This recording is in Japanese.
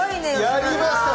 やりました。